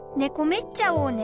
めっちゃおうね。